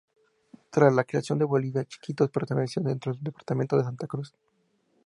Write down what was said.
Tras la creación de Bolivia, Chiquitos permaneció dentro del departamento de Santa Cruz.